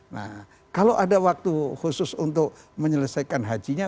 nah kalau ada waktu khusus untuk menyelesaikan hajinya